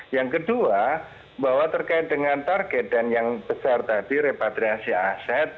yang kedua bahwa terkait dengan target dan yang besar tadi repatriasi aset